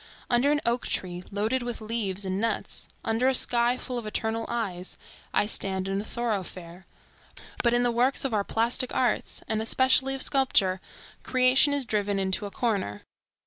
Under an oak tree loaded with leaves and nuts, under a sky full of eternal eyes, I stand in a thoroughfare; but in the works of our plastic arts and especially of sculpture, creation is driven into a corner.